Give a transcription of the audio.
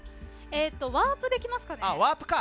ワープできますかね。